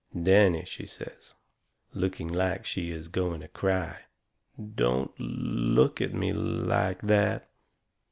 "Danny," she says, looking like she is going to cry, "don't l l look at me l l like that.